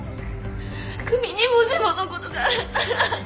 久美にもしものことがあったら。